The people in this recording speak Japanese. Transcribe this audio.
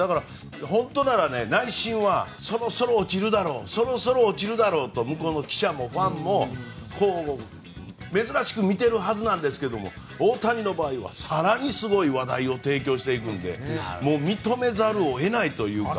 本当なら内心はそろそろ落ちるだろうと向こうの記者もファンも珍しく見ているはずだけど大谷の場合は更にすごい話題を提供していくんで認めざるを得ないというか。